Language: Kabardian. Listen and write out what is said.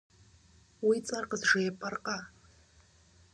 Уи цӀэр къызжепӀэркъэ.